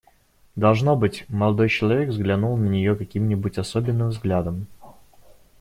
Должно быть, молодой человек взглянул на нее каким-нибудь особенным взглядом.